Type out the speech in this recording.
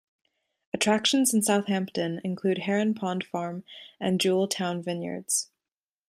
Attractions in South Hampton include Heron Pond Farm and Jewell Towne Vineyards.